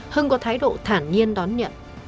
hưng có thái độ thản nhiên đón nhận